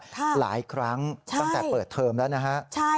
ถ้าหลายครั้งตั้งแต่เปิดเทิมแล้วนะคะใช่ใช่